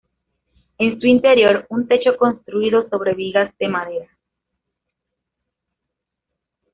En su interior, un techo construido sobre vigas de madera.